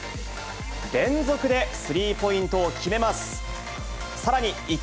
連続でスリーポイントを決めます。